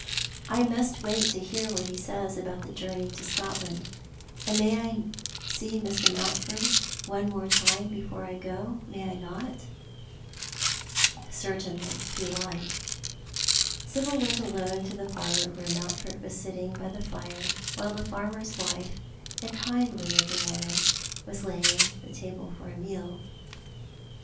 I must wait to hear wliat he says about the journey to Scotland. And I may see Mr. Mouutford once more before I go, may I not ?" "Certainly, if you like." Sibyl went alone to the parlour where IMountford was sitting by the fire, while the farmer's wife, a kindly looking woman, was laying the table for a meal.